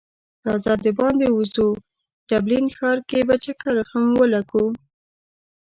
راځه د باندی وځو ډبلین ښار کی به چکر هم ولګو